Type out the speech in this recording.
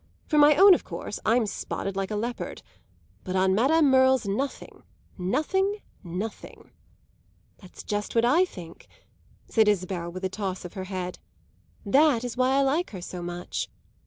For my own, of course, I'm spotted like a leopard. But on Madame Merle's nothing, nothing, nothing!" "That's just what I think!" said Isabel with a toss of her head. "That is why I like her so much."